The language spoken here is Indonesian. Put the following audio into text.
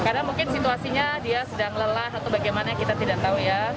karena mungkin situasinya dia sedang lelah atau bagaimana kita tidak tahu ya